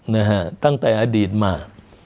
นะฮะตั้งแต่อดีตมา